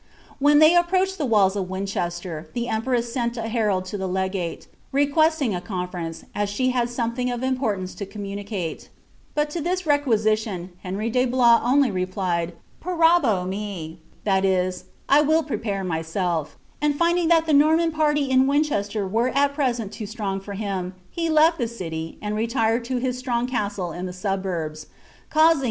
When ihey approached the walhi of Winchester, tlie empreu Mat a herald to the legate, requeeting a conference, as she had something if importance to communicate ; but to this requisition Henry de Bloia o^ replied, "Parabo mr,'"' that is, '* 1 will prepare rnvBelf;" and lindiogifeal the Norman party in Winchester were at preseni too stroitg for him, it left the city, and retired to his strong castle in tlie suburbs; caasiBg,*!